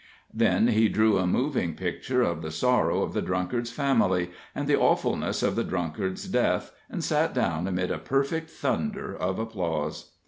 Then he drew a moving picture of the sorrow of the drunkard's family and the awfulness of the drunkard's death, and sat down amid a perfect thunder of applause.